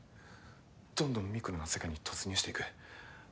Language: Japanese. どんどんミクロの世界に突入していく。